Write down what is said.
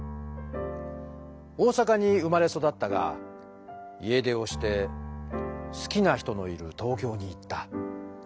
大阪に生まれそだったが家出をしてすきな人のいる東京に行った。